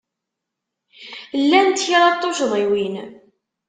Llant kra n tuccḍiwin.